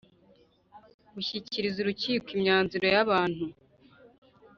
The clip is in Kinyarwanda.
Gushyikiriza urukiko imyanzuro y abantu